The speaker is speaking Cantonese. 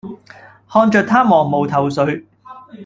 看著她茫無頭緒